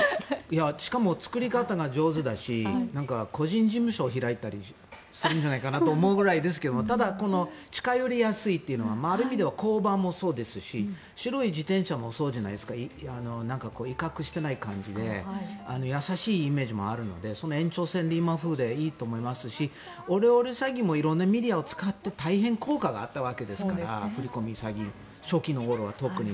しかも作り方が上手だし個人事務所を開いたりするんじゃないかと思うぐらいですけどもただ、近寄りやすいというのはある意味では交番もそうですし白い自転車もそうじゃないですか威嚇してない感じで優しいイメージもあるのでその延長線で今風でいいと思いますしオレオレ詐欺も色んなメディアを使って大変効果があったわけですから振り込め詐欺初期の頃は特に。